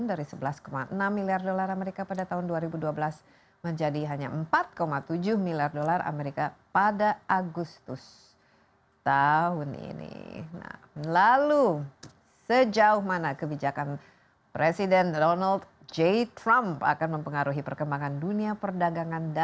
apa mungkin seorang pebisnis ini menghancurkan pasar